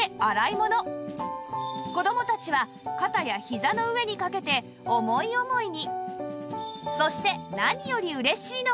子どもたちは肩やひざの上に掛けて思い思いに